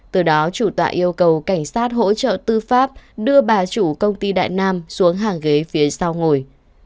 từ đó chủ tọa yêu cầu cảnh sát hỗ trợ tư pháp đưa bà chủ công ty đại nam xuống hàng ghế phía sau ngồi